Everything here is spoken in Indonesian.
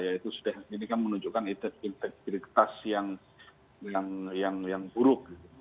yaitu sudah ini kan menunjukkan identitas yang buruk